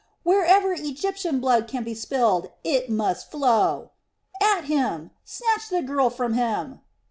Wherever Egyptian blood can be spilled, it must flow! At him! Snatch the girl from him!"